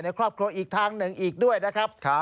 ครอบครัวอีกทางหนึ่งอีกด้วยนะครับ